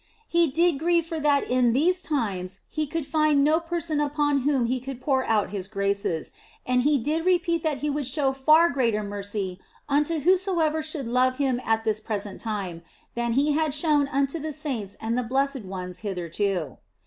He did grieve for that in these times He could find no person upon whom He could pour out His grace, and He did repeat that He would show far greater mercy unto whosoever should love Him at this present time than He had shown unto the saints and the blessed ones hitherto.